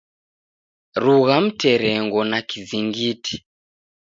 Rugha mnterengo na kizingiti.